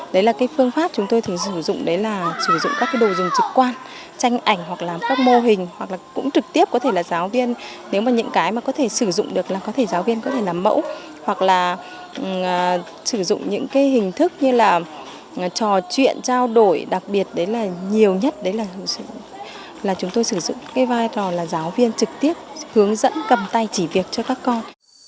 đấy là cái phương pháp chúng tôi thường sử dụng đấy là sử dụng các cái đồ dùng trực quan tranh ảnh hoặc là các mô hình hoặc là cũng trực tiếp có thể là giáo viên nếu mà những cái mà có thể sử dụng được là có thể giáo viên có thể làm mẫu hoặc là sử dụng những cái hình thức như là trò chuyện trao đổi đặc biệt đấy là nhiều nhất đấy là chúng tôi sử dụng cái vai trò là giáo viên trực tiếp hướng dẫn cầm tay chỉ việc cho các con